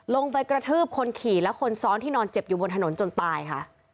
กระทืบคนขี่และคนซ้อนที่นอนเจ็บอยู่บนถนนจนตายค่ะ